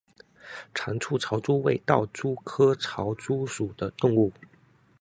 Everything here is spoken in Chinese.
长触潮蛛为盗蛛科潮蛛属的动物。